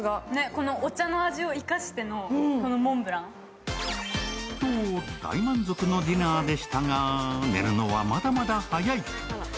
このお茶の味を生かしてのこのモンブラン。と大満足のディナーでしたが、寝るのは、まだまだ早い。